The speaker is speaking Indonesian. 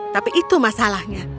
tapi itu masalahnya